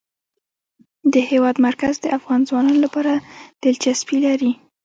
د هېواد مرکز د افغان ځوانانو لپاره دلچسپي لري.